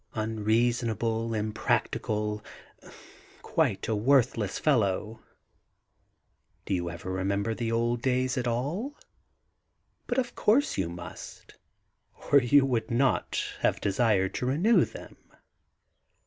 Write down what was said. — unreasonable, impractical, quite a worthless fellow! Do you ever remember the old days at all ? But of course you must, or you would not have desired to renew them.